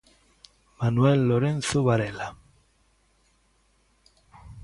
Manuel Lorenzo Varela.